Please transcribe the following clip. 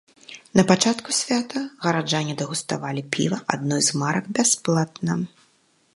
На пачатку свята гараджане дэгуставалі піва адной з марак бясплатна.